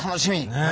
ねえ。